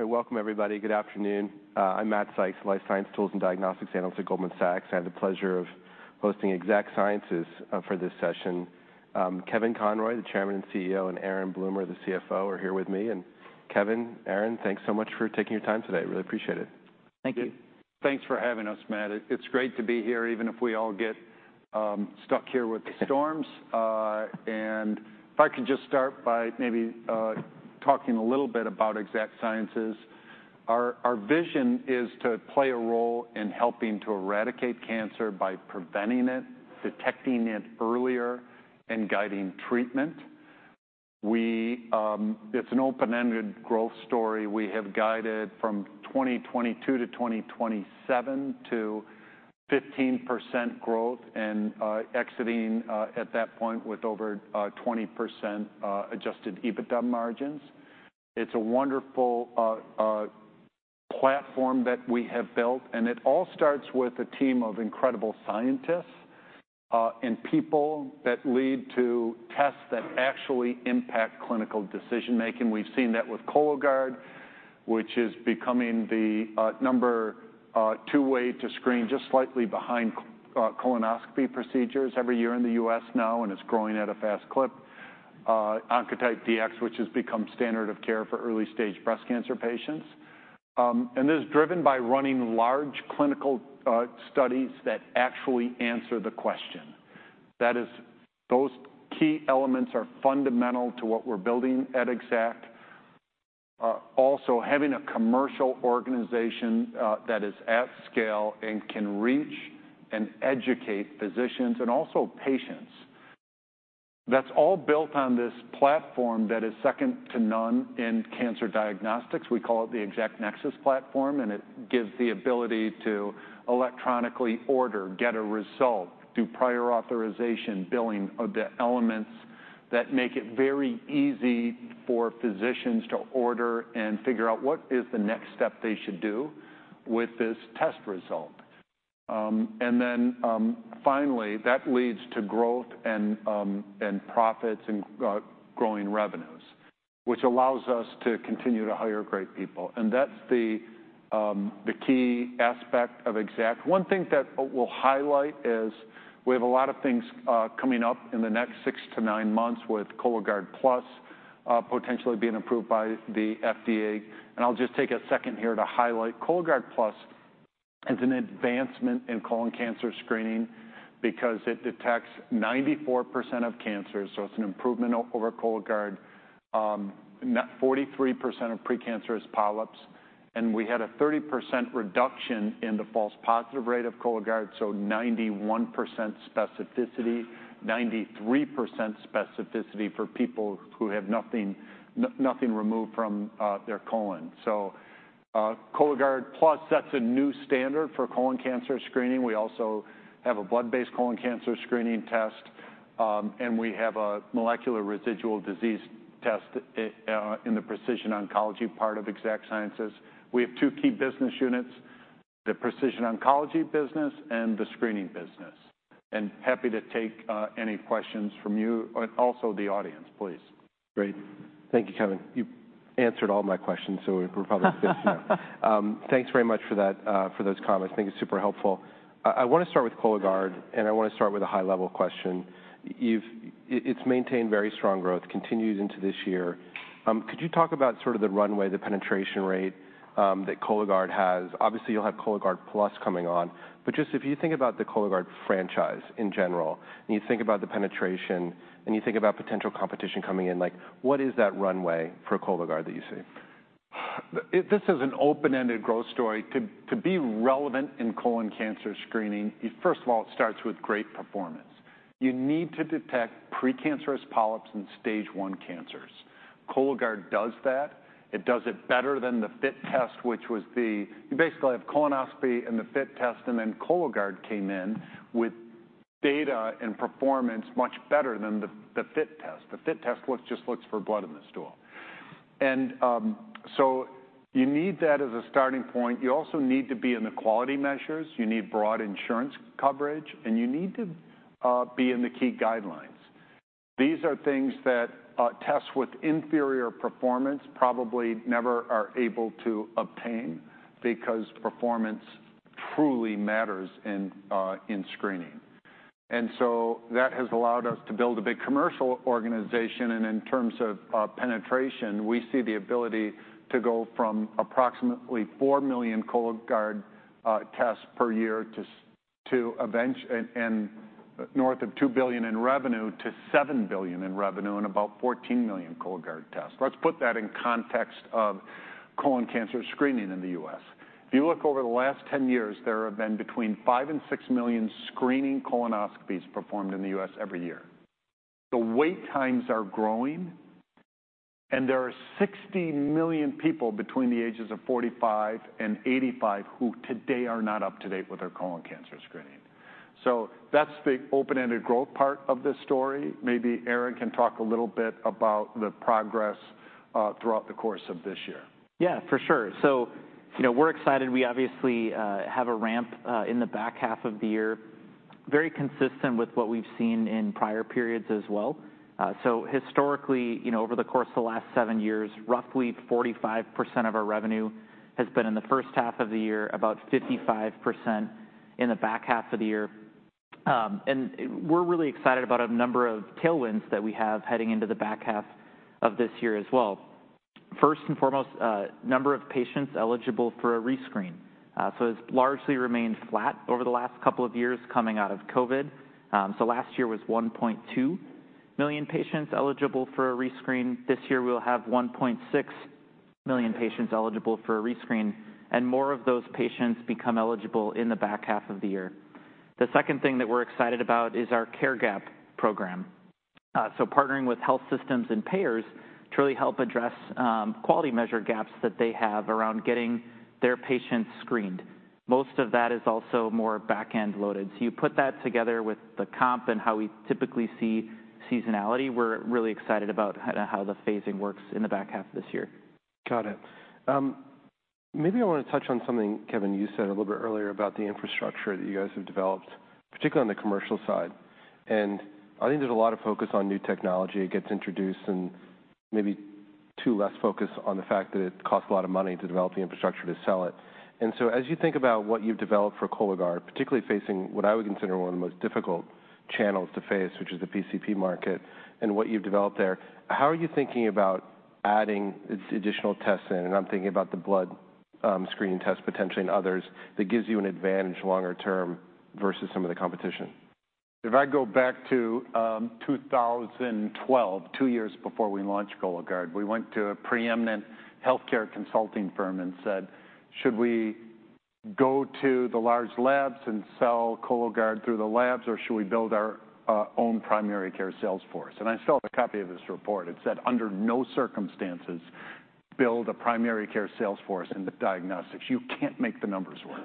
Okay, welcome everybody. Good afternoon. I'm Matt Sykes, Life Sciences Tools and Diagnostics Analyst at Goldman Sachs. I have the pleasure of hosting Exact Sciences for this session. Kevin Conroy, the Chairman and CEO, and Aaron Bloomer, the CFO, are here with me. And Kevin, Aaron, thanks so much for taking your time today. Really appreciate it. Thank you. Thanks for having us, Matt. It's great to be here, even if we all get stuck here with the storms. If I could just start by maybe talking a little bit about Exact Sciences. Our vision is to play a role in helping to eradicate cancer by preventing it, detecting it earlier, and guiding treatment. It's an open-ended growth story. We have guided from 2022 to 2027 to 15% growth and exiting at that point with over 20% adjusted EBITDA margins. It's a wonderful platform that we have built, and it all starts with a team of incredible scientists and people that lead to tests that actually impact clinical decision-making. We've seen that with Cologuard, which is becoming the number two way to screen, just slightly behind colonoscopy procedures every year in the U.S. now, and it's growing at a fast clip. Oncotype DX, which has become standard of care for early-stage breast cancer patients. This is driven by running large clinical studies that actually answer the question. Those key elements are fundamental to what we're building at Exact. Also, having a commercial organization that is at scale and can reach and educate physicians and also patients. That's all built on this platform that is second to none in cancer diagnostics. We call it the Exact Nexus platform, and it gives the ability to electronically order, get a result, do prior authorization, billing of the elements that make it very easy for physicians to order and figure out what is the next step they should do with this test result. Then finally, that leads to growth and profits and growing revenues, which allows us to continue to hire great people. That's the key aspect of Exact. One thing that we'll highlight is we have a lot of things coming up in the next 6-9 months with Cologuard Plus potentially being approved by the FDA. I'll just take a second here to highlight Cologuard Plus as an advancement in colon cancer screening because it detects 94% of cancers. It's an improvement over Cologuard, 43% of precancerous polyps. We had a 30% reduction in the false positive rate of Cologuard, so 91% specificity, 93% specificity for people who have nothing removed from their colon. Cologuard Plus sets a new standard for colon cancer screening. We also have a blood-based colon cancer screening test, and we have a molecular residual disease test in the Precision Oncology part of Exact Sciences. We have two key business units, the Precision Oncology business and the Screening business. Happy to take any questions from you and also the audience, please. Great. Thank you, Kevin. You answered all my questions, so we're probably good to go. Thanks very much for those comments. I think it's super helpful. I want to start with Cologuard, and I want to start with a high-level question. It's maintained very strong growth, continues into this year. Could you talk about sort of the runway, the penetration rate that Cologuard has? Obviously, you'll have Cologuard Plus coming on, but just if you think about the Cologuard franchise in general, and you think about the penetration, and you think about potential competition coming in, what is that runway for Cologuard that you see? This is an open-ended growth story. To be relevant in colon cancer screening, first of all, it starts with great performance. You need to detect precancerous polyps and stage I cancers. Cologuard does that. It does it better than the FIT test, which was the, you basically have colonoscopy and the FIT test, and then Cologuard came in with data and performance much better than the FIT test. The FIT test just looks for blood in the stool. And so you need that as a starting point. You also need to be in the quality measures. You need broad insurance coverage, and you need to be in the key guidelines. These are things that tests with inferior performance probably never are able to obtain because performance truly matters in screening. And so that has allowed us to build a big commercial organization. In terms of penetration, we see the ability to go from approximately 4 million Cologuard tests per year to north of $2 billion in revenue to $7 billion in revenue and about 14 million Cologuard tests. Let's put that in context of colon cancer screening in the U.S. If you look over the last 10 years, there have been between 5 million-6 million screening colonoscopies performed in the U.S. every year. The wait times are growing, and there are 60 million people between the ages of 45-85 who today are not up to date with their colon cancer screening. So that's the open-ended growth part of this story. Maybe Aaron can talk a little bit about the progress throughout the course of this year. Yeah, for sure. So we're excited. We obviously have a ramp in the back half of the year, very consistent with what we've seen in prior periods as well. So historically, over the course of the last 7 years, roughly 45% of our revenue has been in the first half of the year, about 55% in the back half of the year. And we're really excited about a number of tailwinds that we have heading into the back half of this year as well. First and foremost, a number of patients eligible for a rescreen. So it's largely remained flat over the last couple of years coming out of COVID. So last year was 1.2 million patients eligible for a rescreen. This year we'll have 1.6 million patients eligible for a rescreen, and more of those patients become eligible in the back half of the year. The second thing that we're excited about is our Care Gap program. So partnering with health systems and payers truly helps address quality measure gaps that they have around getting their patients screened. Most of that is also more back-end loaded. So you put that together with the comp and how we typically see seasonality, we're really excited about how the phasing works in the back half of this year. Got it. Maybe I want to touch on something, Kevin. You said a little bit earlier about the infrastructure that you guys have developed, particularly on the commercial side. And I think there's a lot of focus on new technology that gets introduced and maybe too less focus on the fact that it costs a lot of money to develop the infrastructure to sell it. And so as you think about what you've developed for Cologuard, particularly facing what I would consider one of the most difficult channels to face, which is the PCP market, and what you've developed there, how are you thinking about adding additional tests in? And I'm thinking about the blood screening test potentially and others that gives you an advantage longer term versus some of the competition. If I go back to 2012, two years before we launched Cologuard, we went to a preeminent healthcare consulting firm and said, "Should we go to the large labs and sell Cologuard through the labs, or should we build our own primary care salesforce?" I still have a copy of this report. It said, "Under no circumstances build a primary care salesforce in the diagnostics. You can't make the numbers work."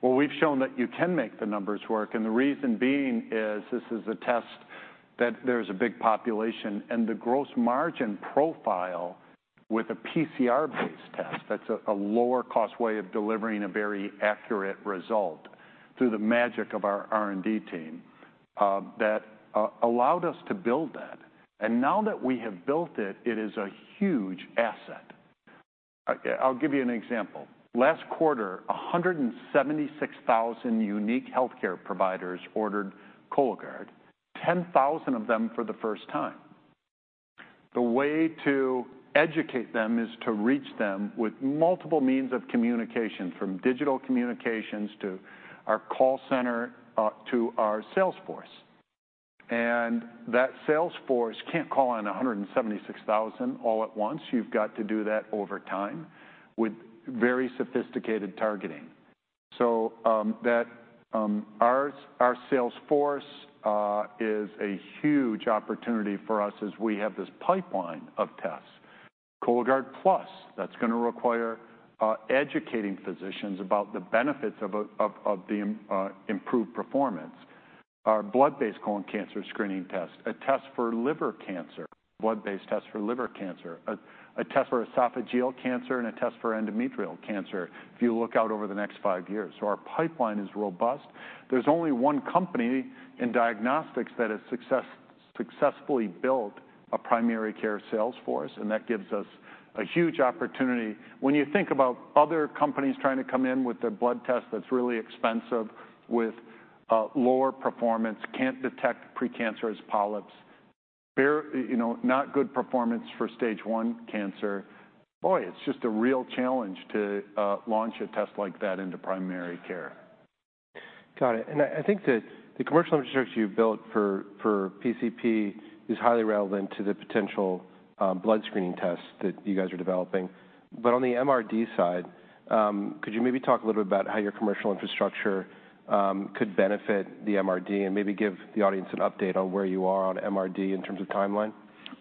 Well, we've shown that you can make the numbers work. The reason being is this is a test that there's a big population and the gross margin profile with a PCR-based test that's a lower-cost way of delivering a very accurate result through the magic of our R&D team that allowed us to build that. Now that we have built it, it is a huge asset. I'll give you an example. Last quarter, 176,000 unique healthcare providers ordered Cologuard, 10,000 of them for the first time. The way to educate them is to reach them with multiple means of communication, from digital communications to our call center to our sales force. That sales force can't call in 176,000 all at once. You've got to do that over time with very sophisticated targeting. Our sales force is a huge opportunity for us as we have this pipeline of tests. Cologuard Plus, that's going to require educating physicians about the benefits of the improved performance. Our blood-based colon cancer screening test, a test for liver cancer, blood-based test for liver cancer, a test for esophageal cancer, and a test for endometrial cancer if you look out over the next five years. So our pipeline is robust. There's only one company in diagnostics that has successfully built a primary care salesforce, and that gives us a huge opportunity. When you think about other companies trying to come in with their blood test that's really expensive, with lower performance, can't detect precancerous polyps, not good performance for Stage I cancer, boy, it's just a real challenge to launch a test like that into primary care. Got it. I think that the commercial infrastructure you've built for PCP is highly relevant to the potential blood screening tests that you guys are developing. On the MRD side, could you maybe talk a little bit about how your commercial infrastructure could benefit the MRD and maybe give the audience an update on where you are on MRD in terms of timeline?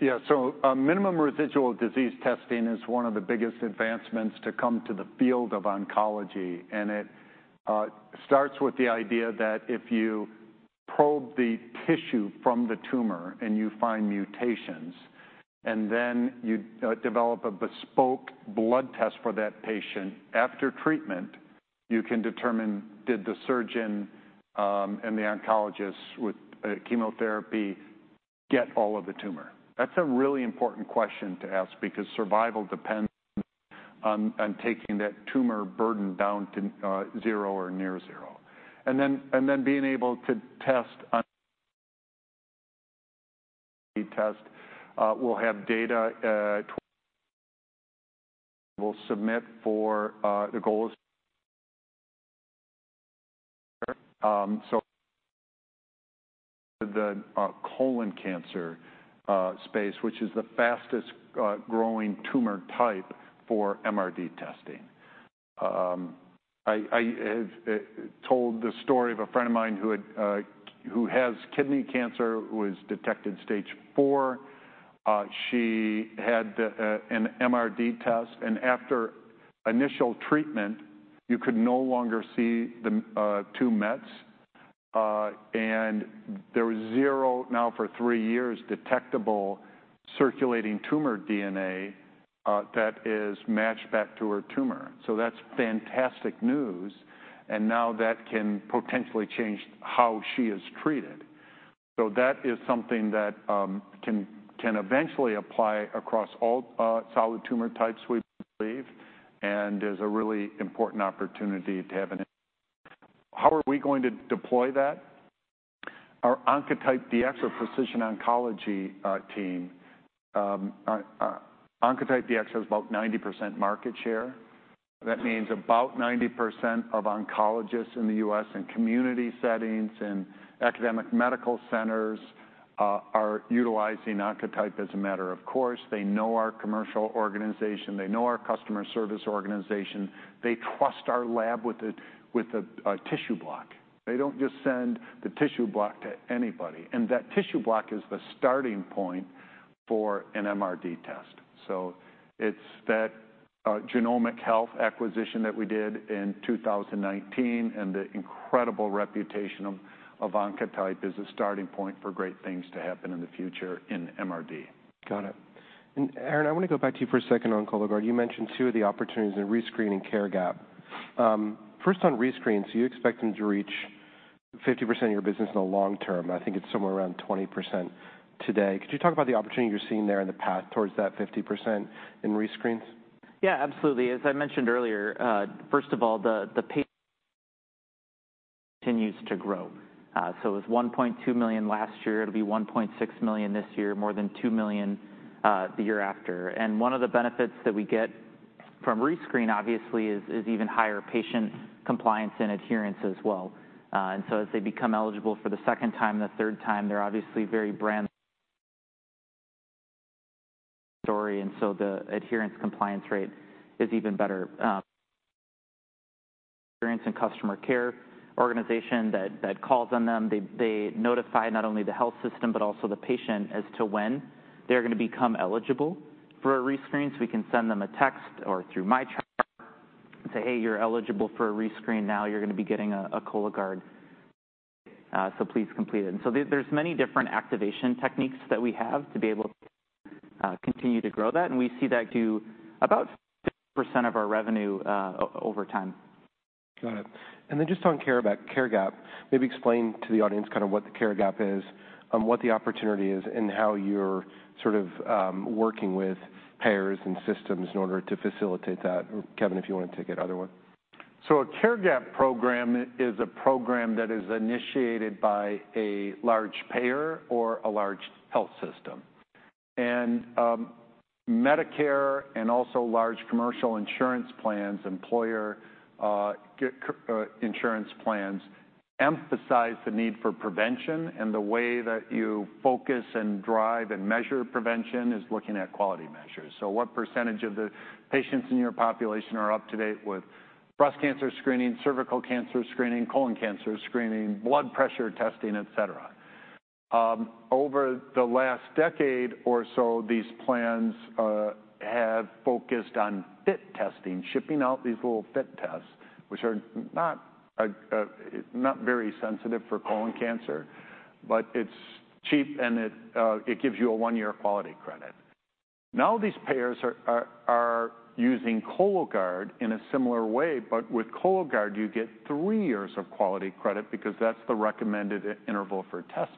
Yeah. So minimal residual disease testing is one of the biggest advancements to come to the field of oncology. It starts with the idea that if you probe the tissue from the tumor and you find mutations, and then you develop a bespoke blood test for that patient after treatment, you can determine did the surgeon and the oncologist with chemotherapy get all of the tumor. That's a really important question to ask because survival depends on taking that tumor burden down to zero or near zero. Then being able to test on the test will have data we'll submit for the goal is the colon cancer space, which is the fastest growing tumor type for MRD testing. I told the story of a friend of mine who has kidney cancer, was detected Stage IV. She had an MRD test, and after initial treatment, you could no longer see the two mets. There was zero now for three years detectable circulating tumor DNA that is matched back to her tumor. That's fantastic news. Now that can potentially change how she is treated. That is something that can eventually apply across all solid tumor types, we believe, and is a really important opportunity to have an. How are we going to deploy that? Our Oncotype DX, our precision oncology team, Oncotype DX has about 90% market share. That means about 90% of oncologists in the U.S. and community settings and academic medical centers are utilizing Oncotype as a matter of course. They know our commercial organization. They know our customer service organization. They trust our lab with a tissue block. They don't just send the tissue block to anybody. That tissue block is the starting point for an MRD test. So it's that Genomic Health acquisition that we did in 2019 and the incredible reputation of Oncotype is a starting point for great things to happen in the future in MRD. Got it. And Aaron, I want to go back to you for a second on Cologuard. You mentioned two of the opportunities in rescreening Care Gap. First on rescreens, you expect them to reach 50% of your business in the long term. I think it's somewhere around 20% today. Could you talk about the opportunity you're seeing there in the path towards that 50% in rescreens? Yeah, absolutely. As I mentioned earlier, first of all, the patient continues to grow. So it was 1.2 million last year. It'll be 1.6 million this year, more than 2 million the year after. And one of the benefits that we get from rescreen, obviously, is even higher patient compliance and adherence as well. And so as they become eligible for the second time, the third time, they're obviously very brand loyal. And so the adherence compliance rate is even better. Experience and customer care organization that calls on them, they notify not only the health system, but also the patient as to when they're going to become eligible for a rescreen. So we can send them a text or through MyChart and say, "Hey, you're eligible for a rescreen now. You're going to be getting a Cologuard. So please complete it." And so there's many different activation techniques that we have to be able to continue to grow that. And we see that to about 50% of our revenue over time. Got it. And then just on Care Gap, maybe explain to the audience kind of what the Care Gap is, what the opportunity is, and how you're sort of working with payers and systems in order to facilitate that. Kevin, if you want to take it other way. A Care Gap program is a program that is initiated by a large payer or a large health system. Medicare and also large commercial insurance plans, employer insurance plans emphasize the need for prevention. The way that you focus and drive and measure prevention is looking at quality measures. What percentage of the patients in your population are up to date with breast cancer screening, cervical cancer screening, colon cancer screening, blood pressure testing, etc.? Over the last decade or so, these plans have focused on FIT testing, shipping out these little FIT tests, which are not very sensitive for colon cancer, but it's cheap and it gives you a one year quality credit. Now these payers are using Cologuard in a similar way, but with Cologuard, you get three years of quality credit because that's the recommended interval for testing.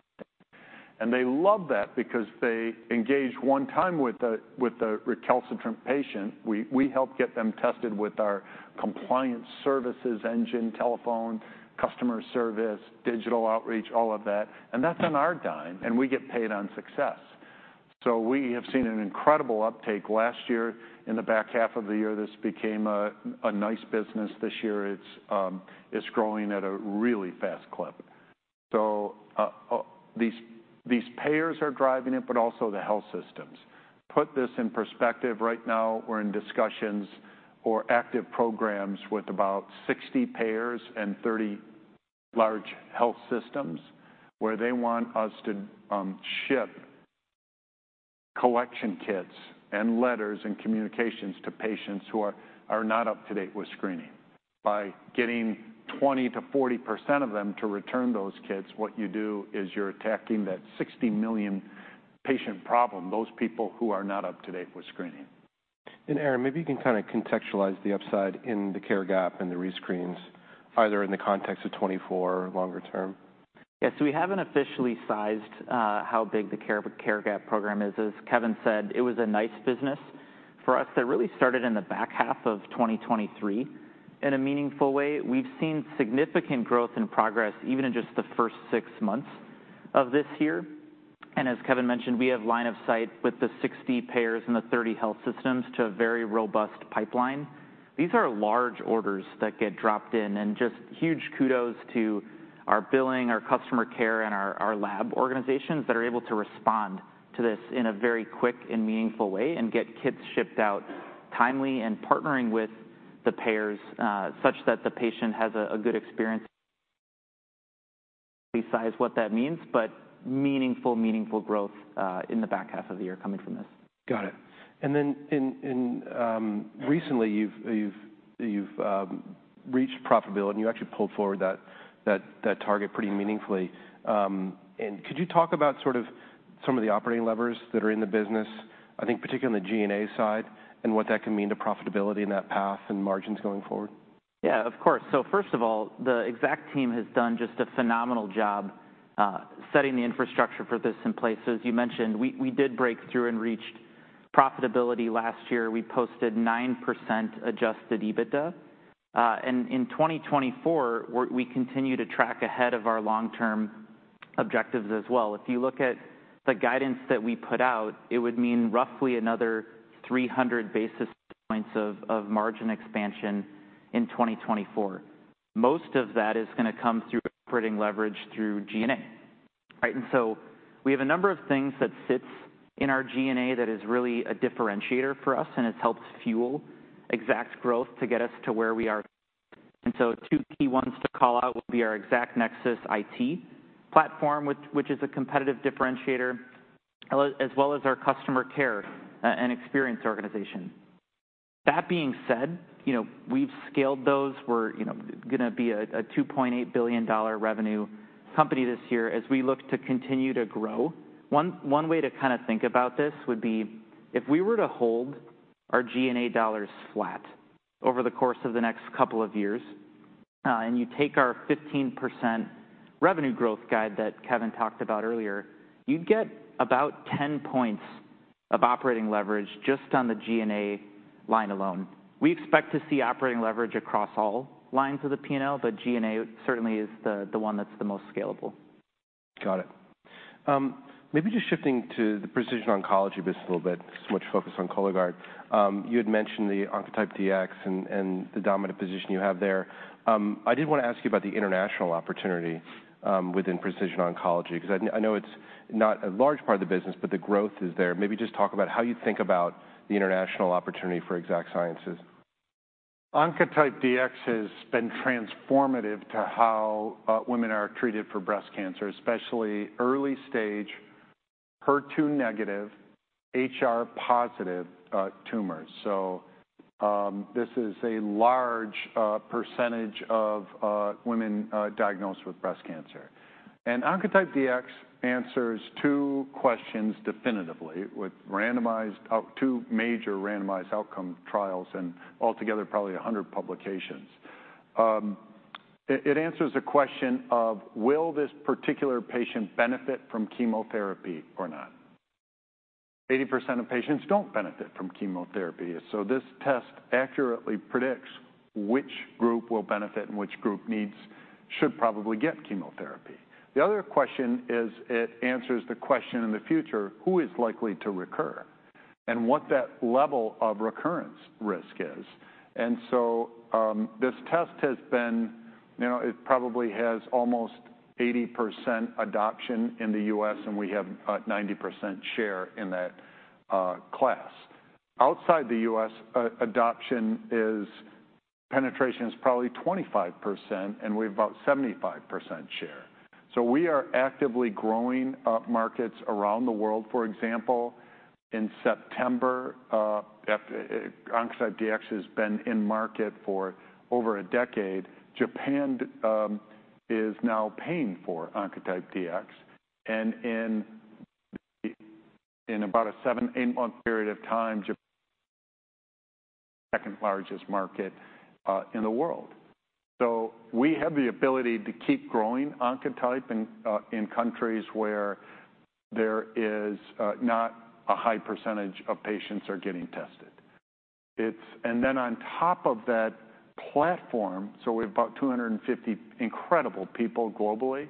And they love that because they engage one time with the recalcitrant patient. We help get them tested with our compliance services engine, telephone, customer service, digital outreach, all of that. And that's on our dime. And we get paid on success. So we have seen an incredible uptake last year. In the back half of the year, this became a nice business. This year, it's growing at a really fast clip. So these payers are driving it, but also the health systems. Put this in perspective, right now we're in discussions or active programs with about 60 payers and 30 large health systems where they want us to ship collection kits and letters and communications to patients who are not up to date with screening. By getting 20%-40% of them to return those kits, what you do is you're attacking that 60 million patient problem, those people who are not up to date with screening. Aaron, maybe you can kind of contextualize the upside in the Care Gap and the rescreens, either in the context of 2024 or longer term. Yes. We haven't officially sized how big the Care Gap program is. As Kevin said, it was a nice business for us. That really started in the back half of 2023 in a meaningful way. We've seen significant growth and progress even in just the first six months of this year. As Kevin mentioned, we have line of sight with the 60 payers and the 30 health systems to a very robust pipeline. These are large orders that get dropped in. Just huge kudos to our billing, our customer care, and our lab organizations that are able to respond to this in a very quick and meaningful way and get kits shipped out timely and partnering with the payers such that the patient has a good experience. We size what that means, but meaningful, meaningful growth in the back half of the year coming from this. Got it. And then recently, you've reached profitability and you actually pulled forward that target pretty meaningfully. And could you talk about sort of some of the operating levers that are in the business, I think particularly on the G&A side, and what that can mean to profitability in that path and margins going forward? Yeah, of course. So first of all, the Exact Team has done just a phenomenal job setting the infrastructure for this in place. So as you mentioned, we did break through and reached profitability last year. We posted 9% Adjusted EBITDA. And in 2024, we continue to track ahead of our long-term objectives as well. If you look at the guidance that we put out, it would mean roughly another 300 basis points of margin expansion in 2024. Most of that is going to come through operating leverage through G&A. And so we have a number of things that sits in our G&A that is really a differentiator for us, and it's helped fuel Exact's growth to get us to where we are. So two key ones to call out would be our Exact Nexus IT platform, which is a competitive differentiator, as well as our customer care and experience organization. That being said, we've scaled those. We're going to be a $2.8 billion revenue company this year as we look to continue to grow. One way to kind of think about this would be if we were to hold our G&A dollars flat over the course of the next couple of years, and you take our 15% revenue growth guide that Kevin talked about earlier, you'd get about 10 points of operating leverage just on the G&A line alone. We expect to see operating leverage across all lines of the P&L, but G&A certainly is the one that's the most scalable. Got it. Maybe just shifting to the Precision Oncology business a little bit, so much focus on Cologuard. You had mentioned the Oncotype DX and the dominant position you have there. I did want to ask you about the international opportunity within Precision Oncology because I know it's not a large part of the business, but the growth is there. Maybe just talk about how you think about the international opportunity for Exact Sciences. Oncotype DX has been transformative to how women are treated for breast cancer, especially early-stage HER2-negative, HR-positive tumors. So this is a large percentage of women diagnosed with breast cancer. And Oncotype DX answers two questions definitively with two major randomized outcome trials and altogether probably 100 publications. It answers the question of, will this particular patient benefit from chemotherapy or not? 80% of patients don't benefit from chemotherapy. So this test accurately predicts which group will benefit and which group should probably get chemotherapy. The other question is it answers the question in the future, who is likely to recur and what that level of recurrence risk is. And so this test has been, it probably has almost 80% adoption in the U.S., and we have a 90% share in that class. Outside the U.S., adoption penetration is probably 25%, and we have about 75% share. So we are actively growing markets around the world. For example, in September, Oncotype DX has been in market for over a decade. Japan is now paying for Oncotype DX. And in about a 7-8-month period of time, Japan is the second largest market in the world. So we have the ability to keep growing Oncotype in countries where there is not a high percentage of patients getting tested. And then on top of that platform, so we have about 250 incredible people globally,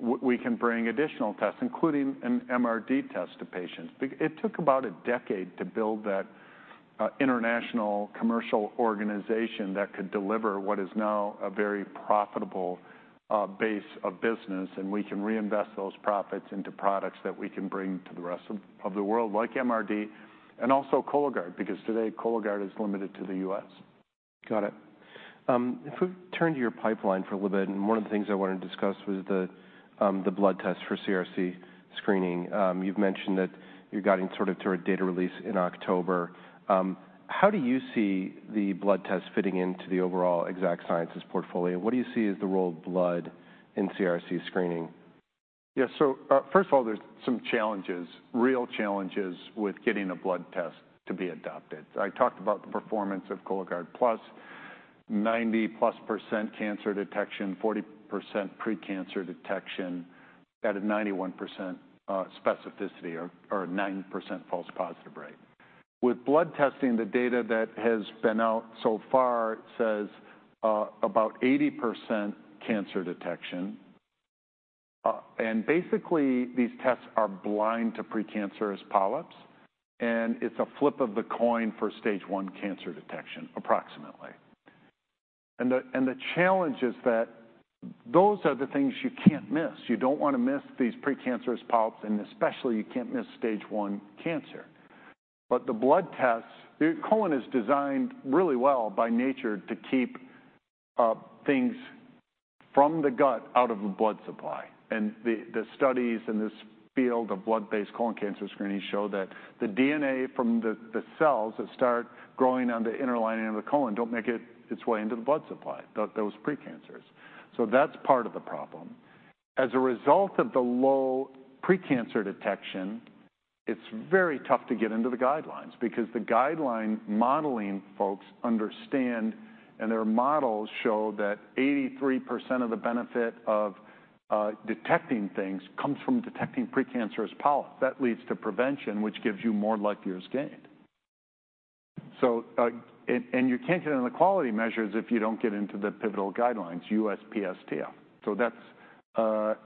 we can bring additional tests, including an MRD test to patients. It took about a decade to build that international commercial organization that could deliver what is now a very profitable base of business. And we can reinvest those profits into products that we can bring to the rest of the world, like MRD and also Cologuard because today Cologuard is limited to the U.S. Got it. If we turn to your pipeline for a little bit, and one of the things I wanted to discuss was the blood test for CRC screening. You've mentioned that you're guiding sort of to a data release in October. How do you see the blood test fitting into the overall Exact Sciences portfolio? What do you see as the role of blood in CRC screening? Yeah. So first of all, there's some challenges, real challenges with getting a blood test to be adopted. I talked about the performance of Cologuard Plus, 90+% cancer detection, 40% precancer detection at a 91% specificity or 90% false positive rate. With blood testing, the data that has been out so far says about 80% cancer detection. And basically, these tests are blind to precancerous polyps. And it's a flip of the coin for stage 1 cancer detection, approximately. And the challenge is that those are the things you can't miss. You don't want to miss these precancerous polyps, and especially you can't miss stage 1 cancer. But the blood tests, colon is designed really well by nature to keep things from the gut out of the blood supply. The studies in this field of blood-based colon cancer screening show that the DNA from the cells that start growing on the inner lining of the colon don't make its way into the blood supply, those precancers. So that's part of the problem. As a result of the low precancer detection, it's very tough to get into the guidelines because the guideline modeling folks understand, and their models show that 83% of the benefit of detecting things comes from detecting precancerous polyps. That leads to prevention, which gives you more QALYs gained. And you can't get into quality measures if you don't get into the pivotal guidelines, USPSTF. So that's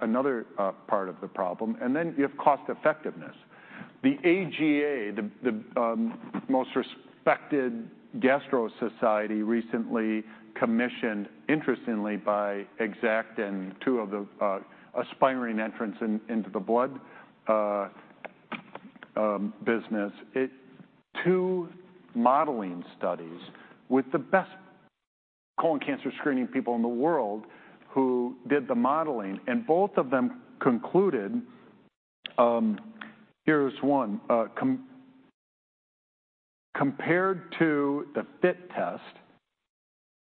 another part of the problem. And then you have cost-effectiveness. The AGA, the most respected gastro society, recently commissioned, interestingly, by Exact and two of the aspiring entrants into the blood business, two modeling studies with the best colon cancer screening people in the world who did the modeling. And both of them concluded, here's one, compared to the FIT test,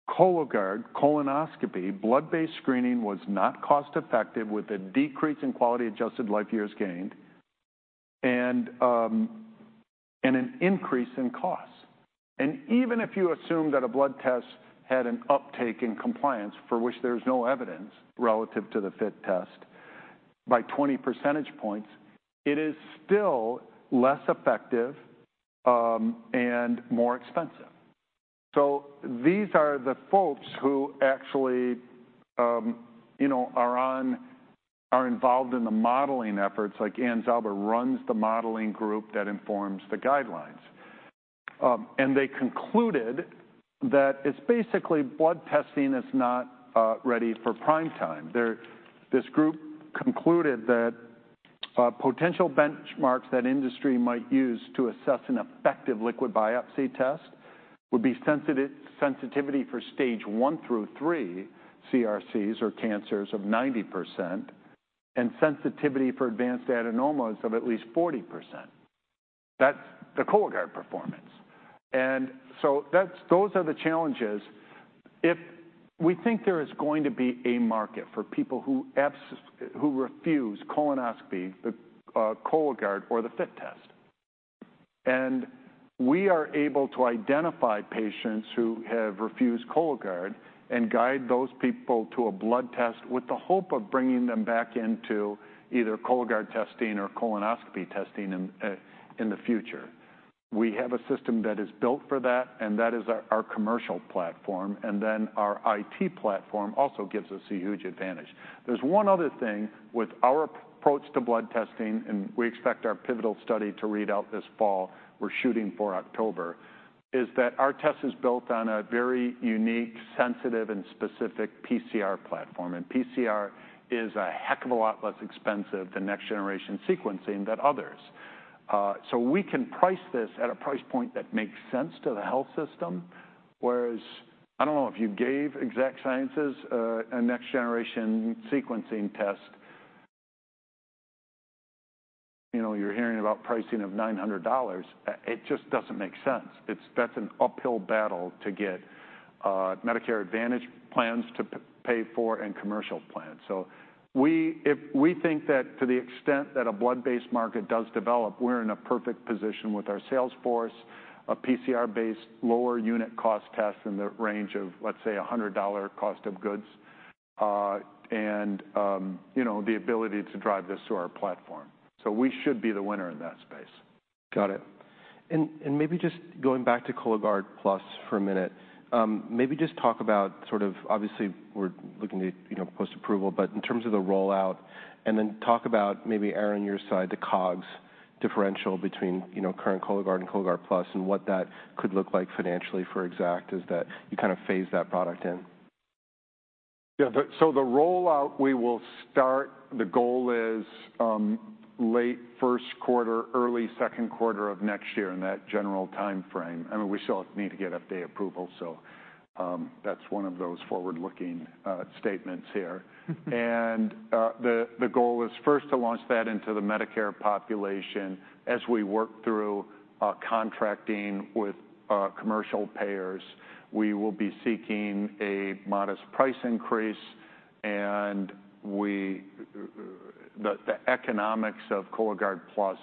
Cologuard, colonoscopy, blood-based screening was not cost-effective with a decrease in quality-adjusted life years gained and an increase in costs. And even if you assume that a blood test had an uptake in compliance for which there is no evidence relative to the FIT test by 20 percentage points, it is still less effective and more expensive. So these are the folks who actually are involved in the modeling efforts, like Ann Zauber runs the modeling group that informs the guidelines. And they concluded that it's basically blood testing is not ready for prime time. This group concluded that potential benchmarks that industry might use to assess an effective liquid biopsy test would be sensitivity for Stage I through III CRCs or cancers of 90% and sensitivity for advanced adenomas of at least 40%. That's the Cologuard performance. And so those are the challenges. We think there is going to be a market for people who refuse colonoscopy, the Cologuard or the FIT test. And we are able to identify patients who have refused Cologuard and guide those people to a blood test with the hope of bringing them back into either Cologuard testing or colonoscopy testing in the future. We have a system that is built for that, and that is our commercial platform. And then our IT platform also gives us a huge advantage. There's one other thing with our approach to blood testing, and we expect our pivotal study to read out this fall. We're shooting for October, that our test is built on a very unique, sensitive, and specific PCR platform. PCR is a heck of a lot less expensive than next-generation sequencing than others. So we can price this at a price point that makes sense to the health system. Whereas I don't know if you gave Exact Sciences a next-generation sequencing test. You're hearing about pricing of $900. It just doesn't make sense. That's an uphill battle to get Medicare Advantage plans to pay for and commercial plans. So we think that to the extent that a blood-based market does develop, we're in a perfect position with our sales force, a PCR-based lower unit cost test in the range of, let's say, $100 cost of goods, and the ability to drive this through our platform. So we should be the winner in that space. Got it. And maybe just going back to Cologuard Plus for a minute, maybe just talk about sort of, obviously, we're looking to post approval, but in terms of the rollout, and then talk about maybe, Aaron, your side, the COGS differential between current Cologuard and Cologuard Plus and what that could look like financially for Exact as you kind of phase that product in. Yeah. So the rollout we will start, the goal is late first quarter, early second quarter of next year in that general time frame. I mean, we still need to get FDA approval. So that's one of those forward-looking statements here. And the goal is first to launch that into the Medicare population as we work through contracting with commercial payers. We will be seeking a modest price increase. And the economics of Cologuard Plus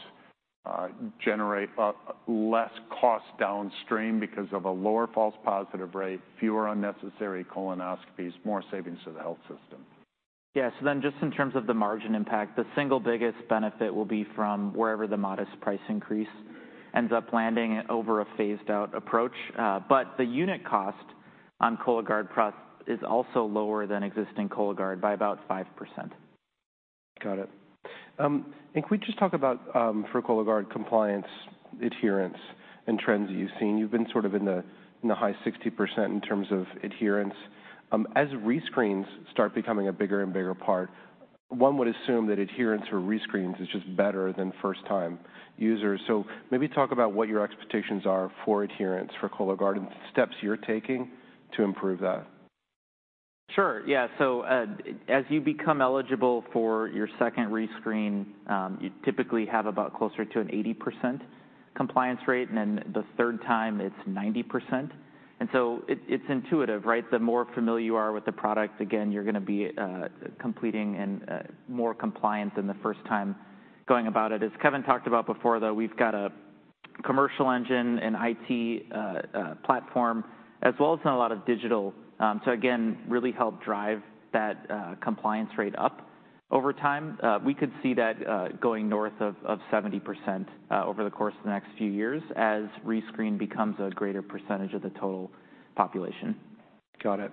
generate less cost downstream because of a lower false positive rate, fewer unnecessary colonoscopies, more savings to the health system. Yeah. So then just in terms of the margin impact, the single biggest benefit will be from wherever the modest price increase ends up landing over a phased-out approach. But the unit cost on Cologuard Plus is also lower than existing Cologuard by about 5%. Got it. Can we just talk about for Cologuard compliance, adherence, and trends that you've seen? You've been sort of in the high 60% in terms of adherence. As rescreens start becoming a bigger and bigger part, one would assume that adherence or rescreens is just better than first-time users. Maybe talk about what your expectations are for adherence for Cologuard and steps you're taking to improve that. Sure. Yeah. So as you become eligible for your second rescreen, you typically have about closer to an 80% compliance rate. And then the third time, it's 90%. And so it's intuitive, right? The more familiar you are with the product, again, you're going to be completing and more compliant than the first time going about it. As Kevin talked about before, though, we've got a commercial engine, an IT platform, as well as a lot of digital. So again, really help drive that compliance rate up over time. We could see that going north of 70% over the course of the next few years as rescreen becomes a greater percentage of the total population. Got it.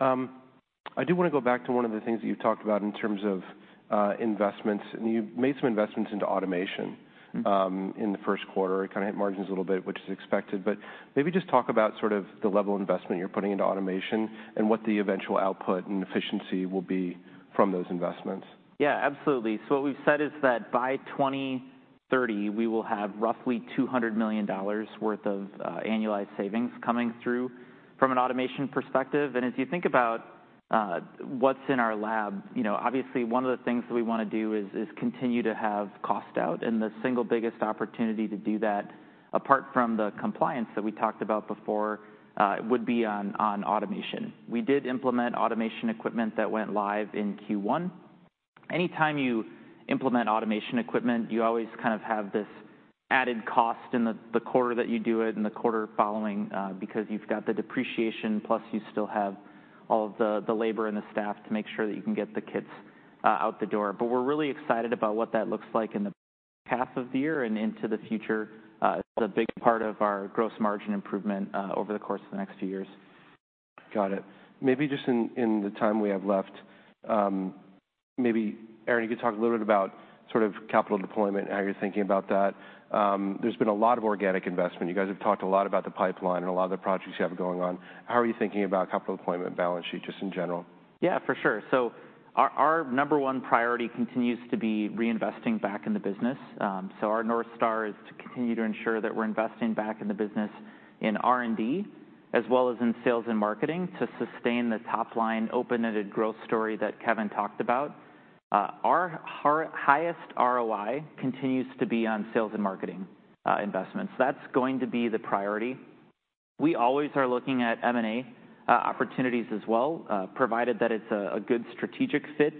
I do want to go back to one of the things that you've talked about in terms of investments. You made some investments into automation in the first quarter. It kind of hit margins a little bit, which is expected. But maybe just talk about sort of the level of investment you're putting into automation and what the eventual output and efficiency will be from those investments. Yeah, absolutely. So what we've said is that by 2030, we will have roughly $200 million worth of annualized savings coming through from an automation perspective. And as you think about what's in our lab, obviously, one of the things that we want to do is continue to have cost out. And the single biggest opportunity to do that, apart from the compliance that we talked about before, would be on automation. We did implement automation equipment that went live in Q1. Anytime you implement automation equipment, you always kind of have this added cost in the quarter that you do it and the quarter following because you've got the depreciation, plus you still have all of the labor and the staff to make sure that you can get the kits out the door. But we're really excited about what that looks like in the half of the year and into the future. It's a big part of our gross margin improvement over the course of the next few years. Got it. Maybe just in the time we have left, maybe, Aaron, you could talk a little bit about sort of capital deployment and how you're thinking about that. There's been a lot of organic investment. You guys have talked a lot about the pipeline and a lot of the projects you have going on. How are you thinking about capital deployment balance sheet just in general? Yeah, for sure. So our number one priority continues to be reinvesting back in the business. So our North Star is to continue to ensure that we're investing back in the business in R&D as well as in sales and marketing to sustain the top-line open-ended growth story that Kevin talked about. Our highest ROI continues to be on sales and marketing investments. That's going to be the priority. We always are looking at M&A opportunities as well, provided that it's a good strategic fit.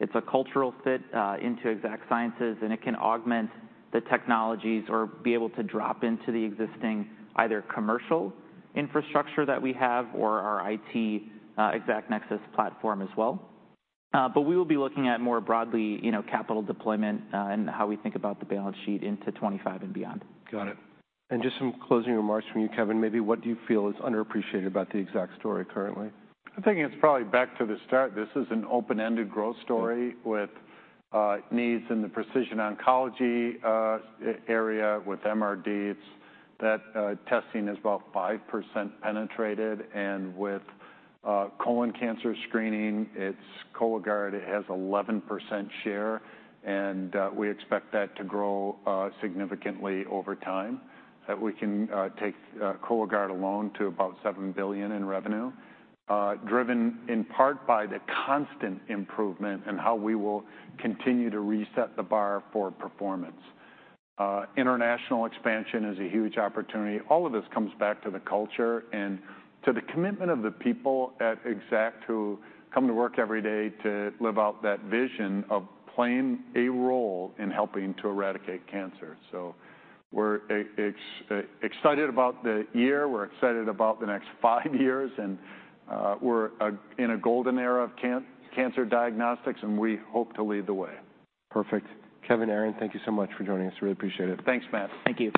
It's a cultural fit into Exact Sciences, and it can augment the technologies or be able to drop into the existing either commercial infrastructure that we have or our IT Exact Nexus platform as well. But we will be looking at more broadly capital deployment and how we think about the balance sheet into 2025 and beyond. Got it. And just some closing remarks from you, Kevin. Maybe what do you feel is underappreciated about the Exact story currently? I'm thinking it's probably back to the start. This is an open-ended growth story with needs in the precision oncology area with MRDs. That testing is about 5% penetrated. And with colon cancer screening, it's Cologuard. It has an 11% share. And we expect that to grow significantly over time. We can take Cologuard alone to about $7 billion in revenue, driven in part by the constant improvement and how we will continue to reset the bar for performance. International expansion is a huge opportunity. All of this comes back to the culture and to the commitment of the people at Exact who come to work every day to live out that vision of playing a role in helping to eradicate cancer. So we're excited about the year. We're excited about the next five years. We're in a golden era of cancer diagnostics, and we hope to lead the way. Perfect. Kevin, Aaron, thank you so much for joining us. Really appreciate it. Thanks, Matt. Thank you.